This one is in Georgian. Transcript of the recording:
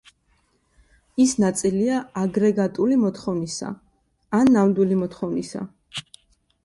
ის ნაწილია აგრეგატული მოთხოვნისა ან ნამდვილი მოთხოვნისა.